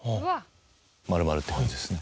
丸々って感じですね。